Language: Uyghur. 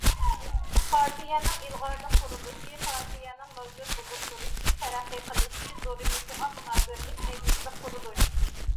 پارتىيەنىڭ ئىلغارلىق قۇرۇلۇشى پارتىيەنىڭ مەۋجۇت بولۇپ تۇرۇشى، تەرەققىي قىلىشى، زورىيىشىغا مۇناسىۋەتلىك نېگىزلىك قۇرۇلۇش.